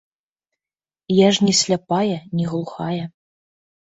Я ж не сляпая, не глухая.